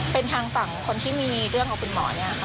เป็นทางฝั่งคนที่มีเรื่องของคุณหมอเนี่ยค่ะ